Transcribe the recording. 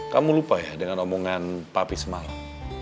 kamu lupa ya dengan omongan papi semalam